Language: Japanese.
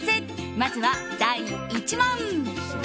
まずは第１問。